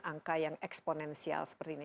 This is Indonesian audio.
angka yang eksponensial seperti ini